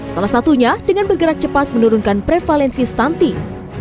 salah satunya dengan bergerak cepat menurunkan prevalensi stunting